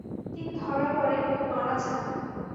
তিনি ধরা পড়েন ও মারা যান।